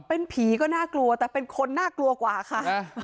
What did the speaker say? เป็นผีก็น่ากลัวแต่เป็นคนน่ากลัวกว่าค่ะ